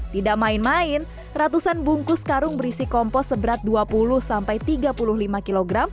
tidak main main ratusan bungkus karung berisi kompos seberat dua puluh sampai tiga puluh lima kg